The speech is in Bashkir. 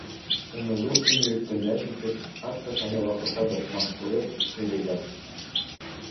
Уны ҙур киңлек, көндәш итеп, хатта ҡайһы ваҡытта дошман күреп һөйләйҙәр.